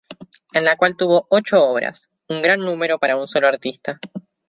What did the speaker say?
En la cual tuvo ocho obras, un gran número para un solo artista.